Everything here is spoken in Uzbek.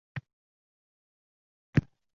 Tasavvur darajasini aniqlaydigan suratlar